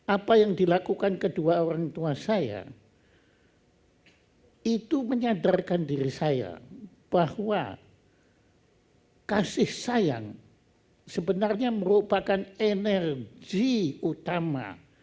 apa yang dilakukan kedua orang tua saya itu menyadarkan diri saya bahwa kasih sayang sebenarnya merupakan energi utama